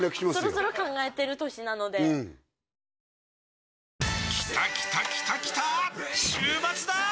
そろそろ考えてる年なのできたきたきたきたー！